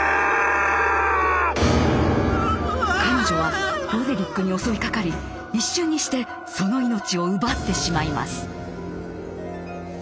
彼女はロデリックに襲いかかり一瞬にしてその命を奪ってしまいます。